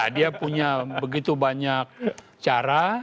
dia punya begitu banyak cara